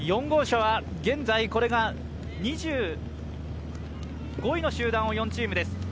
４号車は現在これが２５位の集団が４チームです。